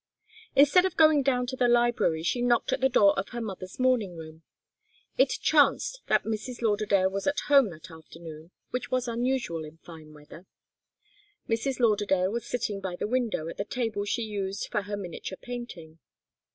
Instead of going down to the library, she knocked at the door of her mother's morning room. It chanced that Mrs. Lauderdale was at home that afternoon, which was unusual in fine weather. Mrs. Lauderdale was sitting by the window at the table she used for her miniature painting.